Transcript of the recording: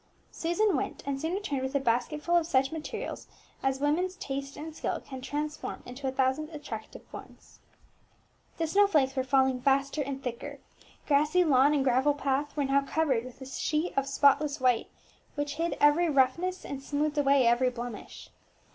Susan went, and soon returned with a basketful of such materials as woman's taste and skill can transform into a thousand attractive forms. The snow flakes were falling faster and thicker; grassy lawn and gravel path were now covered with a sheet of spotless white, which hid every roughness and smoothed away every blemish.